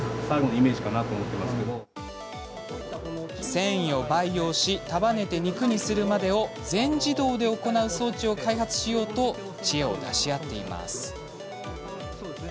線維を培養し束ねて肉にするまでを全自動で行う装置を開発しようと知恵を出し合っています。